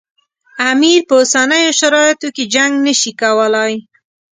امیر په اوسنیو شرایطو کې جنګ نه شي کولای.